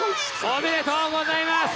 おめでとうございます。